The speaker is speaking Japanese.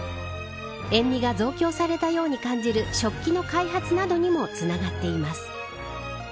塩味が増強されたように感じる食器の開発などにもつながっています。